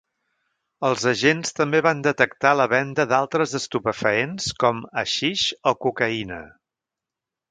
Els agents també van detectar la venda d’altres estupefaents com haixix o cocaïna.